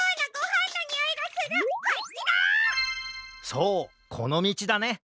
そうこのみちだね！